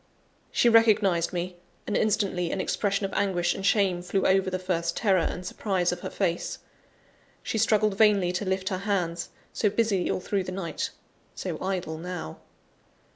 She recognised me; and, instantly, an expression of anguish and shame flew over the first terror and surprise of her face. She struggled vainly to lift her hands so busy all through the night; so idle now!